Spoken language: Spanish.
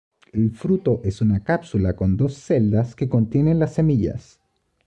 El fruto es una cápsula con dos celdas que contienen las semillas.